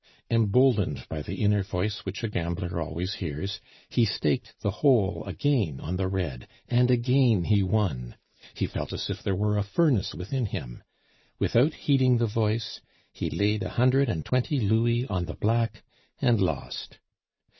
Emboldened by the inner voice which a gambler always hears, he staked the whole again on the red, and again he won. He felt as if there were a furnace within him. Without heeding the voice, he laid a hundred and twenty louis on the black and lost.